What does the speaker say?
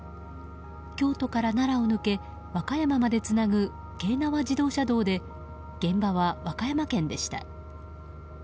京都から奈良を抜け和歌山までつなぐ京奈和自動車道で現場は和歌山県でした。